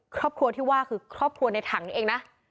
ครอบครัวที่ว่าคือครอบครัวในถังนี้เองนะ